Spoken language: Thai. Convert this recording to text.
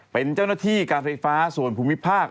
เป็นเจ้าหน้าที่การไฟฟ้าส่วนภูมิภาค